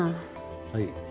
はい。